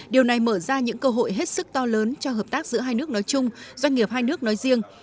điều này mở ra những cơ hội hết sức to lớn cho hợp tác giữa hai nước nói chung doanh nghiệp hai nước nói riêng